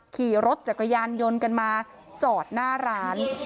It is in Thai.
ขี่รถจักรยานยนต์กันมาจอดหน้าร้าน